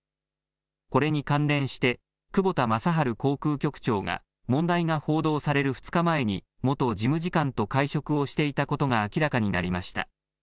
これに関連して、久保田雅晴航空局長が問題が報道される２日前に、元事務次官と会食をしていたことが明らかになりました。